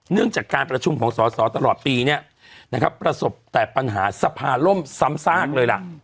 เนื่องจากการประชุมของสอสอตลอดปีเนี่ยนะครับประสบแต่ปัญหาสภาล่มซ้ำซากเลยล่ะ